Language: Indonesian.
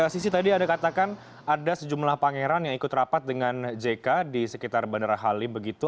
sisi tadi anda katakan ada sejumlah pangeran yang ikut rapat dengan jk di sekitar bandara halim begitu